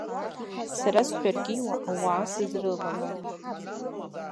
Сара сҳәаркьиуа ауаа сызрылалом.